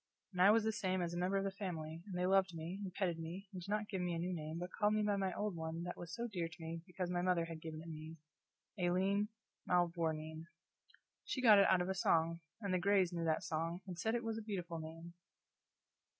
And I was the same as a member of the family; and they loved me, and petted me, and did not give me a new name, but called me by my old one that was dear to me because my mother had given it me Aileen Mavourneen. She got it out of a song; and the Grays knew that song, and said it was a beautiful name.